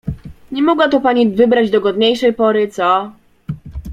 "Nie mogła to pani wybrać dogodniejszej pory, co?"